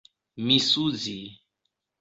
misuzi